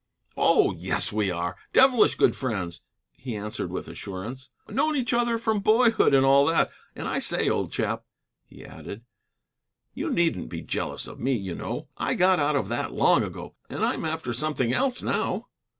"Oh, yes, we are, devilish good friends," he answered with assurance; "known each other from boyhood, and all that. And I say, old chap," he added, "you needn't be jealous of me, you know. I got out of that long ago. And I'm after something else now."